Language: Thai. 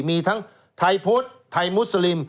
มีทั้งไทยพุทธไทยมุสลิม